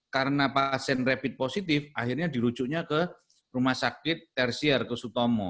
karena pasien rapid positif akhirnya dirujuknya ke rumah sakit tersier ke sutomo